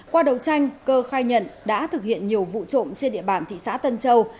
qua đấu tranh cơ khai nhận đã thực hiện nhiều vụ trộm trên địa bàn thị xã tân châu